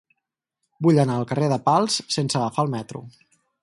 Vull anar al carrer de Pals sense agafar el metro.